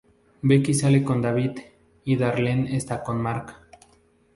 Becky sale con David y Darlene está con Mark.